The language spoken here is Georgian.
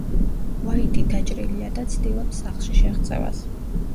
უაიტი დაჭრილია და ცდილობს სახლში შეღწევას.